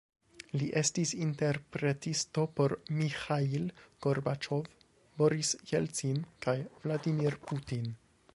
Li estis interpretisto por Miĥail Gorbaĉov, Boris Jelcin, kaj Vladimir Putin.